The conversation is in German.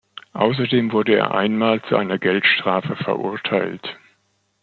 Außerdem wurde er einmal zu einer Geldstrafe verurteilt.